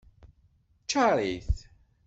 Ccaṛ-it.